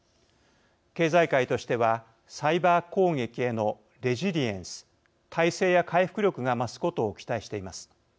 経済界としてはサイバー攻撃へのレジリエンス、耐性や回復力が増すことを期待しています。